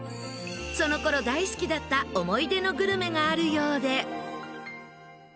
その頃大好きだった思い出のグルメがあるようで。